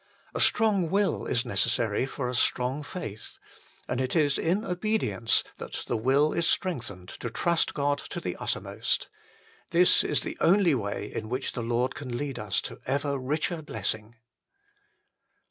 A strong will is necessary for a strong faith, and it is in obedience that the will is strengthened to trust God to the uttermost. This is the only way in which the Lord can lead us to ever richer blessing.